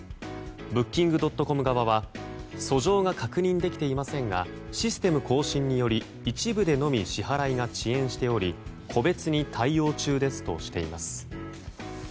ブッキングドットコム側は訴状が確認できていませんがシステム更新により一部でのみ支払いが遅延しており個別に対応中ですとしています。